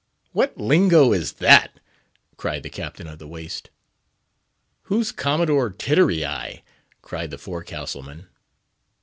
"What lingo is that?" cried the Captain of the Waist. "Who's Commodore Tiddery eye?" cried the forecastle man.